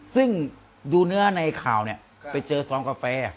ซึ่งดูเนื้อในข่าวเนี่ยไปเจอซองกาแฟ